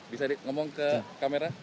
bisa dikomong ke kamera